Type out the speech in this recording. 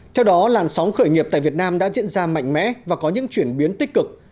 theo đó làn sóng khởi nghiệp tại việt nam đã diễn ra mạnh mẽ và có những chuyển biến tích cực